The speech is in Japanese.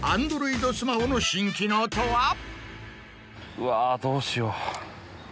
うわどうしよう。